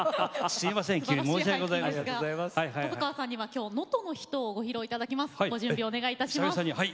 細川さんには、きょう「能登の女」をご披露いただきます。